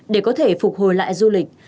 để có thể phục hồi lại du lịch